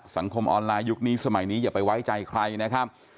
สังคมออนไลน์ยุคนี้สมัยนี้อย่าไปไว้ใจใครนะครับ